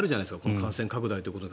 感染拡大ということが。